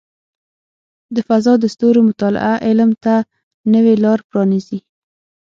د فضاء د ستورو مطالعه علم ته نوې لارې پرانیزي.